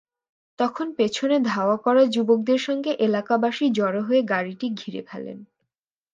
তখন পেছনে ধাওয়া করা যুবকদের সঙ্গে এলাকাবাসী জড়ো হয়ে গাড়িটি ঘিরে ফেলেন।